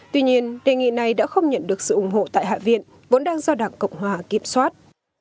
tuy nhiên đề nghị này đã không nhận được sự ủng hộ tại hạ viện vốn đang do đảng cộng hòa kiểm soát